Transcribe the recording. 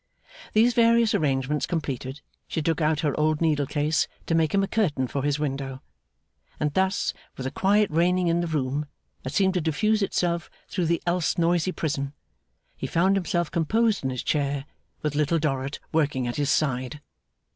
These various arrangements completed, she took out her old needle case to make him a curtain for his window; and thus, with a quiet reigning in the room, that seemed to diffuse itself through the else noisy prison, he found himself composed in his chair, with Little Dorrit working at his side.